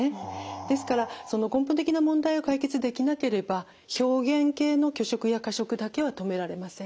ですから根本的な問題を解決できなければ表現型の拒食や過食だけは止められません。